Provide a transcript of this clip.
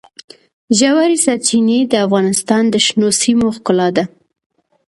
ژورې سرچینې د افغانستان د شنو سیمو ښکلا ده.